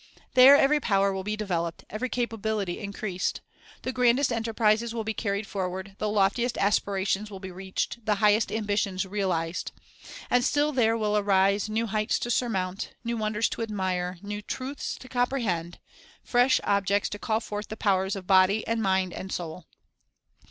3 There every power will be developed, every capability increased. The grandest enterprises will be carried for ward, the loftiest aspirations will be reached, the high est ambitions realized. And still there will arise new heights to surmount, new wonders to admire, new truths to comprehend, fresh objects to call forth the powers of body and mind and soul.